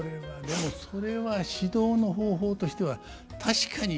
でもそれは指導の方法としては確かに。